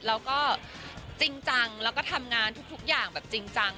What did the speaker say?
แล้วก็จริงจังแล้วก็ทำงานทุกอย่างแบบจริงจัง